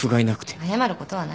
謝ることはない。